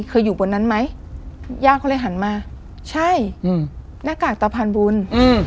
อยู่บนนั้นไหมย่าก็เลยหันมาใช่อืมหน้ากากตะพานบุญอืม